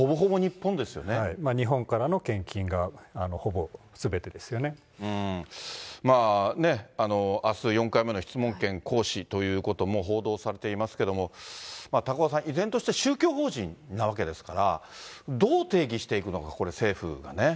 日本からの献金がほぼすべてあす、４回目の質問権行使ということも報道されていますけれども、高岡さん、依然として宗教法人なわけですから、どう定義していくのか、これ、政府がね。